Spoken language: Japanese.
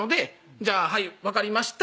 じゃあ分かりました」